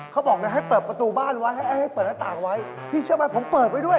เขาบอกให้เปิดประตูบ้านไว้ให้ให้เปิดหน้าต่างไว้พี่เชื่อไหมผมเปิดไว้ด้วย